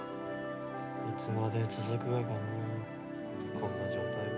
いつまで続くがかのこんな状態が。